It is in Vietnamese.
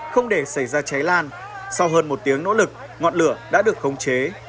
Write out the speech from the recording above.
không để xảy ra cháy lan sau hơn một tiếng nỗ lực ngọn lửa đã được khống chế